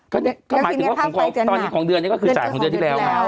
ก็หมายถึงว่าของเขาตอนนี้ของเดือนนี้ก็คือจ่ายของเดือนที่แล้ว